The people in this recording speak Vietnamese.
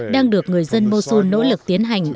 đang được người dân mosul nỗ lực tiến hành